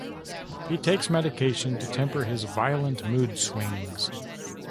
He takes medication to temper his violent mood swings.